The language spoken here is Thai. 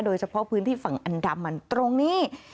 โดยเฉพาะพื้นที่ฝั่งอันดามันตรงนี้